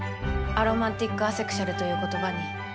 アロマンティック・アセクシュアルという言葉に。